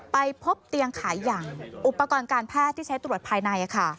ไปพบเตียงขายอย่างอุปกรณ์การแพทย์ที่ใช้ตรวจภายใน